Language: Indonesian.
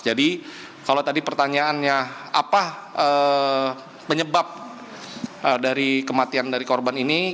jadi kalau tadi pertanyaannya apa penyebab dari kematian dari korban ini